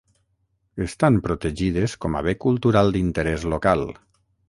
Estan protegides com a bé cultural d'interès local.